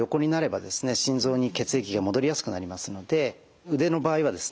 心臓に血液が戻りやすくなりますので腕の場合はですね